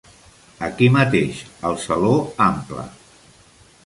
Aquí mateix, al Saló Ample.